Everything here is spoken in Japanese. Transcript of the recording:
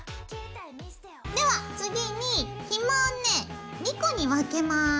では次にひもをね２個に分けます。